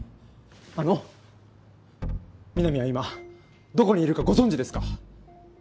あのみなみは今どこにいるかご存じですか？